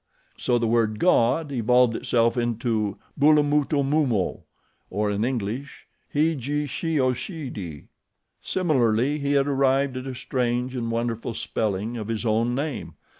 So the word God evolved itself into BULAMUTUMUMO, or, in English, he g she o she d. Similarly he had arrived at a strange and wonderful spelling of his own name.